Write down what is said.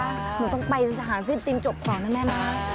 หนูต้องไปสถานสิ้นตินจบก่อนนะแม่นะ